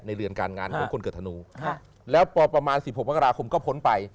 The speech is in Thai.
ในเรือนการงานของคนเกิดธนูแล้วประมาณ๑๖วันการงานราคมก็พ้นไป